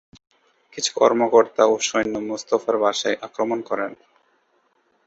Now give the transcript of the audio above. কিছু কর্মকর্তা ও সৈন্য মোস্তফার বাসায় আক্রমণ করে।